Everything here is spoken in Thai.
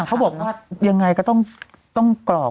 เขาบอกว่ายังไงก็ต้องกรอก